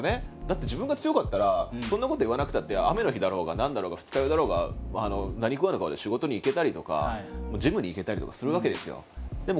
だって自分が強かったらそんなことを言わなくたって雨の日だろうが何だろうが二日酔いだろうが何食わぬ顔で仕事に行けたりとかジムに行けたりとかするわけですよ。